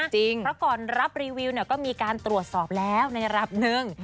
เพราะก่อนรับรีวิวก็มีการตรวจสอบแล้วในระดับหนึ่ง